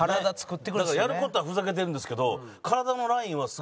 だからやる事はふざけてるんですけど。